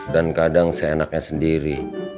dan kadang seenaknya sendiri